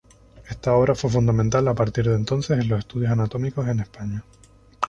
Esta obra fue fundamental a partir de entonces en los estudios anatómicos en España.